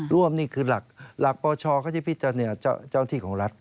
ร่วมนี่คือหลักหลักปวชก็จะพิจารณาเจ้าที่ของรัฐ